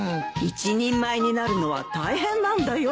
一人前になるのは大変なんだよ。